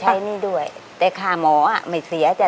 หนี้ด้วยแต่ค่าหมอไม่เสียจ้ะ